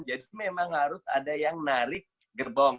jadi memang harus ada yang narik gerbong